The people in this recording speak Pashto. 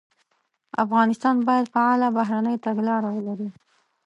افغانستان باید فعاله بهرنۍ تګلاره ولري.